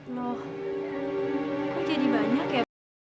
loh kok jadi banyak ya pak